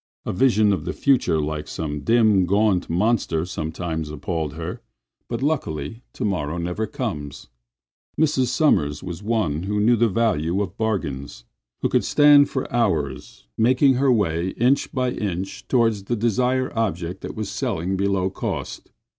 A vision of the future like some dim, gaunt monster sometimes appalled her, but luckily to morrow never comes. Mrs. Sommers was one who knew the value of bargains; who could stand for hours making her way inch by inch toward the desired object that was selling below cost.